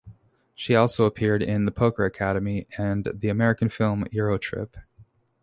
She also appeared in "The Poker Academy", and the American film "Eurotrip".